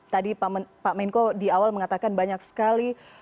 tadi pak menko di awal mengatakan banyak sekali